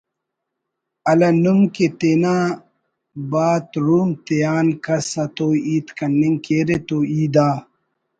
ہَلہ نم کہ تینا بات روم تیان کس اتو ہیت کننگ کیرے تو ای دا